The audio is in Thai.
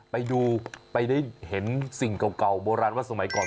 ไปดูไปได้เห็นสิ่งเก่าโบราณว่าสมัยก่อน